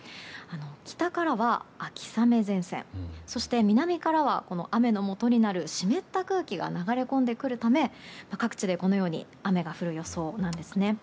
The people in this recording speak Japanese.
北からは秋雨前線そして南からは雨のもとになる湿った空気が流れ込んでくるため各地で、このように雨が降る予想なんですね。